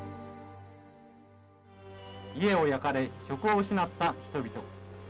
「家を焼かれ職を失った人々。